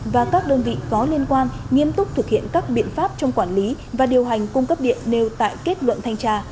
và các đơn vị có liên quan nghiêm túc thực hiện các biện pháp trong quản lý và điều hành cung cấp điện nêu tại kết luận thanh tra